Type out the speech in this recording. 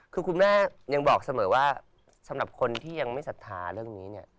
คือคุณแม่ยังบอกเสมอว่าสำหรับคนที่ยังไม่ศรัทธาเรื่องนี้เนี่ย